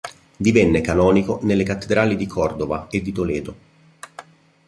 Divenne canonico nelle cattedrali di Cordova e di Toledo.